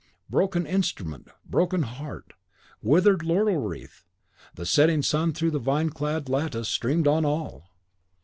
Broken instrument, broken heart, withered laurel wreath! the setting sun through the vine clad lattice streamed on all!